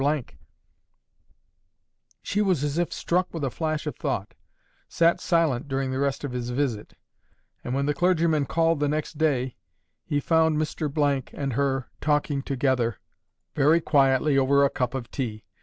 She was as if struck with a flash of thought, sat silent during the rest of his visit, and when the clergyman called the next day, he found Mr —— and her talking together very quietly over a cup of tea.